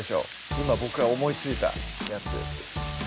今僕が思いついたやつです